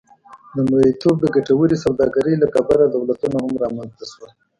د مریتوب د ګټورې سوداګرۍ له کبله دولتونه هم رامنځته شول.